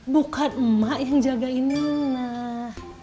bukan mak yang jagain minah